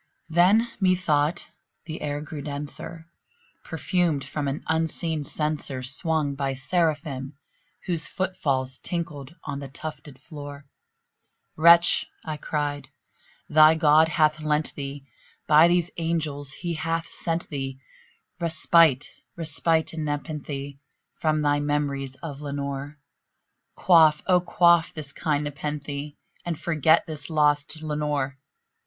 Then, methought, the air grew denser, perfumed from an unseen censer Swung by Seraphim whose foot falls tinkled on the tufted floor. "Wretch," I cried, "thy God hath lent thee by these angels he hath sent thee Respite respite aad nepenthé from thy memories of Lenore! Quaff, oh quaff this kind nepenthé, and forget this lost Lenore!"